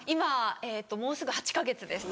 もうすぐ８か月です。